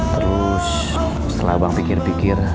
terus setelah bang pikir pikir